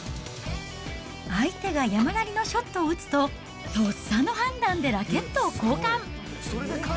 相手が山なりのショットを打つと、とっさの判断でラケットを交換。